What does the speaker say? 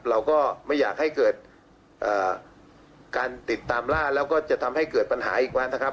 เราก็ไม่อยากให้เกิดการติดตามล่าแล้วก็จะทำให้เกิดปัญหาอีกแล้วนะครับ